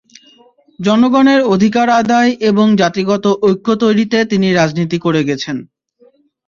জনগণের অধিকার আদায় এবং জাতিগত ঐক্য তৈরিতে তিনি রাজনীতি করে গেছেন।